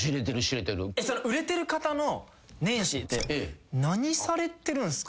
売れてる方の年始って何されてるんすか？